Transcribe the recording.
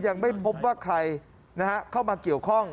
ยังไม่พบว่าใครเข้ามาเกี่ยวข้อง